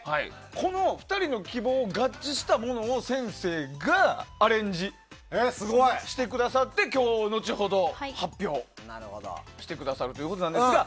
この２人の希望に合致したものを先生がアレンジしてくださって今日、後ほど発表してくださるということですが。